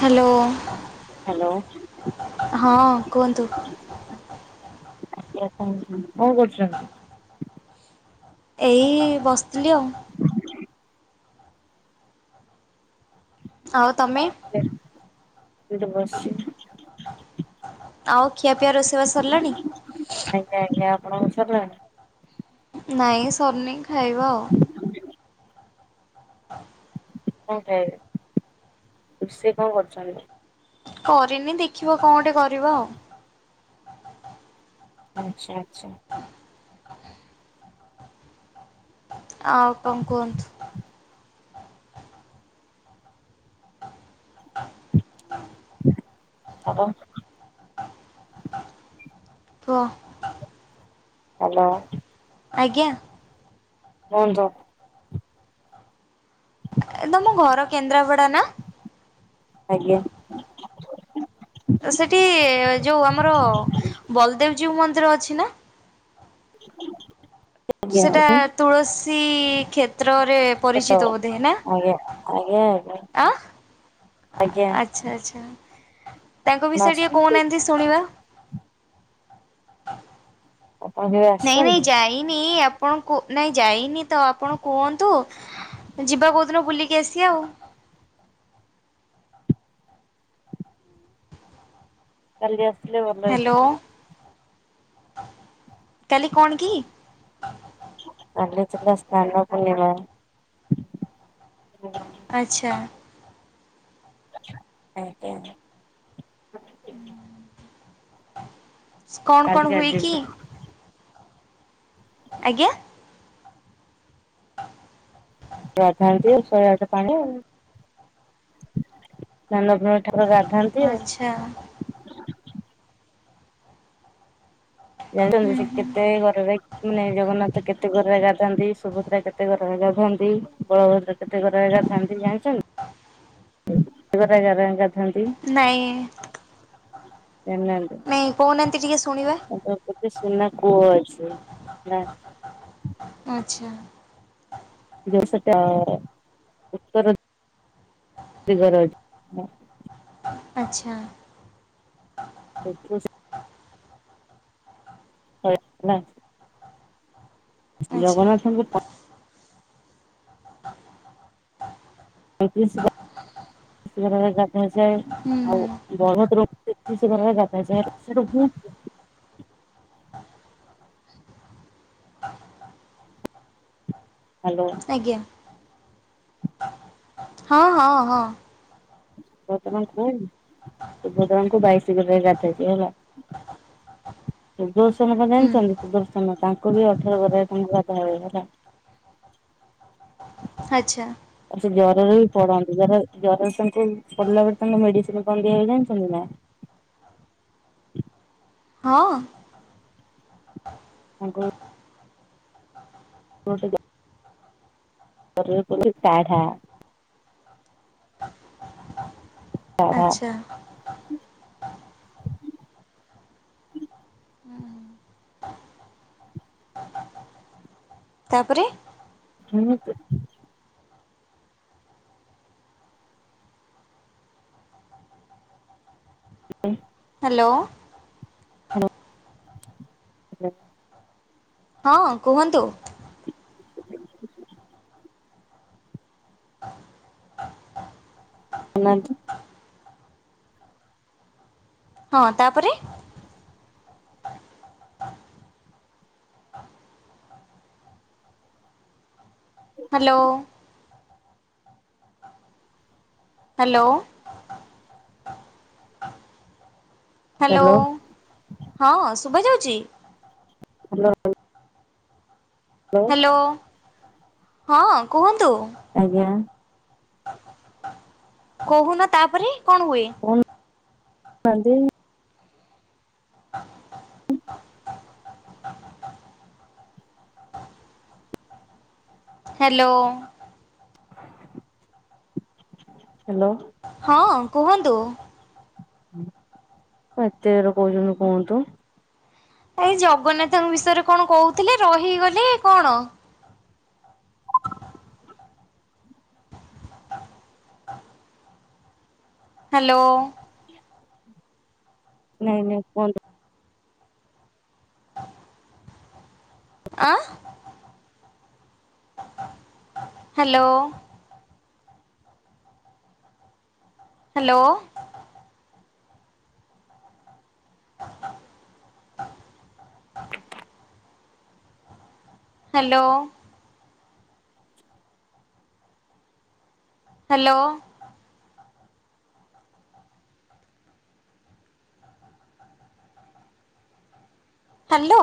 Hello hello ହଁ କୁହନ୍ତୁ। କଣ କରୁଛନ୍ତି? ଏଇ ବସଥିଲି ଆଉ। ଆଉ ତମେ। ଏ ଏଟି ବସ୍ ଚି। ଆଉ ଖିଆପିଆ ରୋଷେଇ ବା ସରିଲାଣି। ଆଜ୍ଞା ଆଜ୍ଞା ଆପଣଙ୍କୁ ସରଲାଣି। ନାଇଁ ସର୍ନି ଖାଇବା ଆଉ। କଣ ଖାଇବେ ରୁଶେଇ କଣ କରିଛନ୍ତି? କରିନି ଦେଖିବ କଣ ଗଟେ କରିବା ଆଉ? ଆଚ୍ଛା ଆଚ୍ଛା। ଆଉ କଣ କୁହନ୍ତୁ? [inaudible] [unintelligible] [unintelligible] ହ୍ୟାଲୋ। ଆଜ୍ଞା। କୁହନ୍ତୁ। ଏ ତମ ଘର କେନ୍ଦ୍ରାପଡା ନା। ଆଜ୍ଞା। ସେଠି ଯୋଉ ଆମର ବଲଦେବଜୀଉ ମନ୍ଦିର ଅଛି ନା? କେତେବେଳେ ସେଟା ଆଜ୍ଞା ତୁଳସୀ କ୍ଷେତ୍ରରେ ପରିଚିତ ବୋଧେ ନା? ଆଜ୍ଞା ଆଜ୍ଞା। ଆଁ ଆଜ୍ଞା ଆଚ୍ଛା ଆଚ୍ଛା ତାଙ୍କ ଆପଣ ବିଷୟ ଟିକେ ଆସୁଛନ୍ତି କେବେ? କହୁନାହାନ୍ତି ଶୁଣିବା। ଆପଣ କେବେ ନାଇଁ ନାଇଁ ଆସିଛନ୍ତି? ଯାଇନି ଆପ୍ ଆପଣ କୁ ନାଇଁ ଯାଇନି ତ ଆପଣ କୁହନ୍ତୁ ଯିବା କୋଉ ଦିନ ବୁଲିକି ଆସିବା ଆଉ। କାଲି ଆସିଲେ ଭଲ ହ୍ୟାଲୋ ହେଇଥାନ୍ତା। କାଲି କଣ କି? କାଲି ଥିଲା ସ୍ନାନ୍ନ ପୁର୍ଣିମା। ଆଚ୍ଛା। ଆଜ୍ଞା। କଣ କାଲି କଣ ହୁଏ କି? ଗାଧେଇକି ଆଜ୍ଞା। ତୁଆ ଖାଆନ୍ତି ଶହେଆଠେ ପାଣି ସ୍ନାନପୃ ଠାକୁର ଗାଧାନ୍ତି ଆଚ୍ଛା ଆଉ। ଜାଣିଛନ୍ତି ହୁଁ ସେ ହୁଁ କେତେ ଗରାରେ ମାନେ ଜଗନ୍ନାଥ କେତେ ଗରାରେ ଗାଧାନ୍ତି ସୁଭଦ୍ରା କେତେ ଗରାରେ ଗାଧାନ୍ତି ବଳଭଦ୍ର କେତେ ଗରାରେ ଗଧାନ୍ତି ଜାଣିଛନ [unintelligible] ନାଇଁ। ନାଇଁ କହୁନାହାନ୍ତି ଟିକେ ଶୁଣିବା [unintelligible] ସୁନା କୁଅ ଅଛି ନା। ଆଚ୍ଛା। ଦୁଇଶହ ତଳର ଉତ୍ତର ଦିଗରେ ଅଛି। ହ। ଆଚ୍ଛା। [unintelligible] ହ ନା। ଆଚ୍ଛା ଜଗନ୍ନାଥଙ୍କୁ ପା ପଈଁତିରିଶ ଗ ଗରରେ ଗାଧାଜାଏ। ହୁଁ ହୁଁ। ବଡ ଡ୍ରମ ତେତିଶି ଗରରେ ଗାଧା ଯାଏ [unintelligible] ଆଜ୍ଞା ହଁ ହଁ ହଁ। ବର୍ତ୍ତମାନ କୁହନି ସୁଭଦ୍ରାଙ୍କୁ ବାଇଶ ଗରାରେ ଗାଧାଜାଏ ହେଲା। ହ [inaudible] ସୁଦର୍ଶନ କଣ ଜାଣିଛନ୍ତି ସୁଦର୍ଶନ ତାଙ୍କୁ ବି ଅଠର ଗରାରେ ଗାଧାଜାଏ ହେଲା। ଆଚ୍ଛା। ଆଉ ସେ ଜ୍ୱରରେ ବି ପଡନ୍ତି ଜର ଜରରେ ତାଙ୍କୁ ପଡିଲା ବେଳେ ତାଙ୍କୁ ମେଡିସିନି କଣ ଦିଆହୁଏ ଜାଣିଚନ୍ତି ନା। ହଁ। ମଙ୍ଗୁଳୁ [unintelligible] ଜରରେ ପିଅନ୍ତି କଢ଼ା। କାଢା ଆଚ୍ଛା। [inaudible] ତାପରେ। ହୁଁ ତ [inaudible] ହ୍ୟାଲୋ। Hello hello. ହଁ କୁହନ୍ତୁ। [inaudible] ନାନ୍ତି ହଁ ତାପରେ ହାଲୋ। ହାଲୋ। ହାଲୋ ହ୍ୟାଲୋ ହଁ ଶୁଭାଯାଉଚି। ହାଲୋ। ହାଲୋ ହଁ କୁହନ୍ତୁ। ଆଜ୍ଞା। କହୁନ ତାପରେ କଣ ହୁଏ। କହୁ ନାହାନ୍ତି। ହାଲୋ। ହାଲୋ। ହଁ କୁହନ୍ତୁ। କଣ ଏତେ ଯୋରରେ କହୁଚନ୍ତି କୁହନ୍ତୁ। ଏଇ ଜଗନ୍ନାଥଙ୍କ ବିଷୟରେ କଣ କହୁଥିଲେ ରହିଗଲେ କଣ। ହାଲୋ। ନାଇଁ ନାଇଁ କୁହନ୍ତୁ। ଆ? Hello. Hello. - [inaudible] Hello. Hello. Hello.